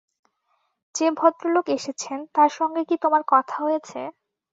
যে-ভদ্রলোক এসেছেন, তাঁর সঙ্গে কি তোমার কথা হয়েছে?